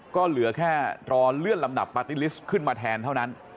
ก็เหลือแค่รอเลื่อนลำดับปาร์ตี้ลิสต์ขึ้นมาแทนเท่านั้น